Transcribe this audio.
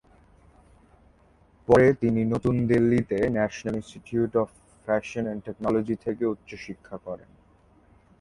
পরে তিনি নতুন দিল্লি তে national institute of fashion and technology থেকে উচ্চ শিক্ষা করেন।